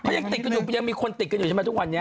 เขายังติดกันอยู่ยังมีคนติดกันอยู่ใช่ไหมทุกวันนี้